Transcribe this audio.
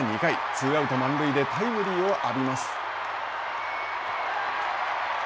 ツーアウト、満塁でタイムリーを浴びます。